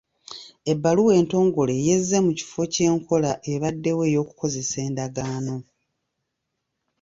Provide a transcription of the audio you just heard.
Ebbaluwa entongole y’ezze mu kifo ky’enkola ebaddewo ey'okukozesa endagaano.